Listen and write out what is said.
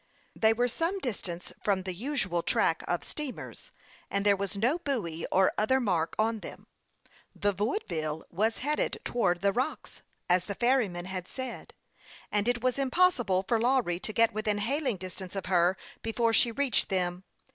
They were some distance from the usual track of steamers, and there was no buoy, or other mark, 64 HASTE AND WASTE, OR on them. The Woodville was headed towards the rocks, as the ferryman had said, and it was impossi ble for Lawry to get within hailing distance of her before she reached them.